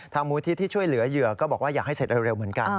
มูลที่ช่วยเหลือเหยื่อก็บอกว่าอยากให้เสร็จเร็วเหมือนกัน